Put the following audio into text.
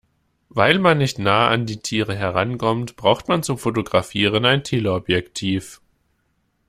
Weil man nicht nah an die Tiere herankommt, braucht man zum Fotografieren ein Teleobjektiv.